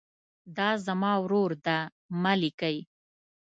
دا زما ورور ده مه لیکئ.